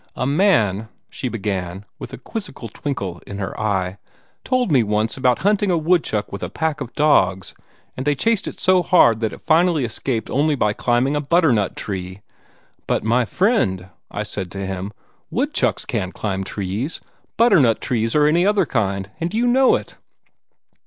"A man," she began, with a quizzical twinkle in her eye, "told me once about hunting a woodchuck with a pack of dogs, and they chased it so hard that it finally escaped only by climbing a butternut tree. 'But, my friend,' I said to him, 'woodchucks can't climb trees butternut trees or any other kind and you know it!'